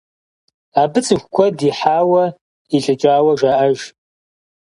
Абы цӀыху куэд ихьауэ, илӀыкӀауэ жаӀэж.